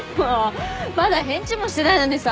まだ返事もしてないのにさ。